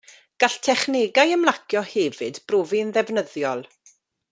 Gall technegau ymlacio hefyd brofi'n ddefnyddiol.